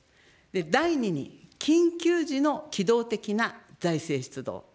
第２に緊急時の機動的な財政出動。